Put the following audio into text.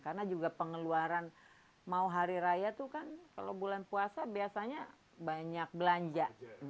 karena juga pengeluaran mau hari raya itu kan kalau bulan puasa biasanya banyak belanja